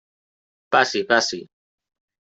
Passi, passi.